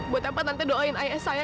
buat apa nanti doain ayah saya